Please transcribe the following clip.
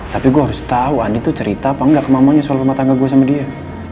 tapi gue harus tau andi tuh cerita apa gak kemamanya soal rumah tangga gue sama dia